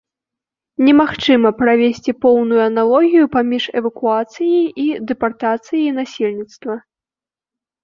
Немагчыма правесці поўную аналогію паміж эвакуацыяй і дэпартацыяй насельніцтва.